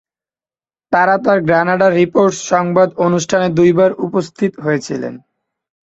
তারা তার "Granada reports" সংবাদ অনুষ্ঠানে দুইবার উপস্থিত হয়েছিলেন।